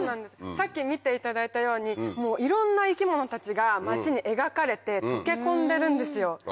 さっき見ていただいたようにいろんな生き物たちが街に描かれて溶け込んでるんですよ。